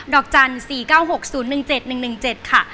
อกจันทร์๔๙๖๐๑๗๑๑๗ค่ะ